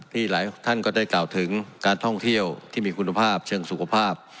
หลายท่านก็ได้กล่าวถึงการท่องเที่ยวที่มีคุณภาพเชิงสุขภาพ